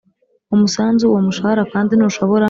umusanzu Uwo mushahara kandi ntushobora